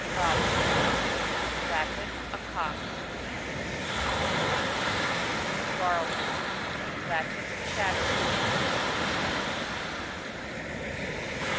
Gallus. — Latin. A Cock. Garrulus. — Latin. Chattering.